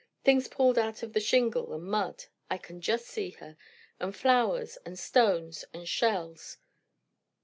Things pulled out of the shingle and mud, I can just see her, and flowers, and stones, and shells.